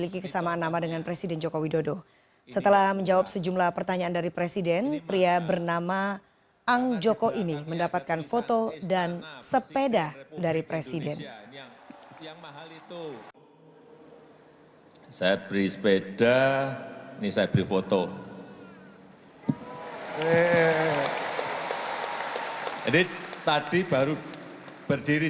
ini adalah panggung yang dihadiri